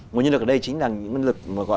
nguồn nhân lực ở đây chính là nguồn nhân lực